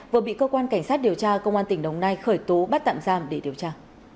vừa bị cơ quan cảnh sát điều tra công an tỉnh đồng nai khởi tố bắt tạm giam để điều tra